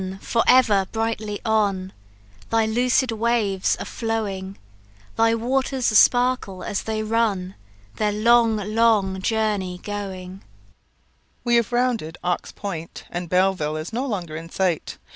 for ever brightly on, Thy lucid waves are flowing: Thy waters sparkle as they run, Their long, long journey going." S.M. We have rounded Ox Point, and Belleville is no longer in sight.